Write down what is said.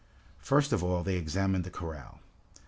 First of all they examined the corral.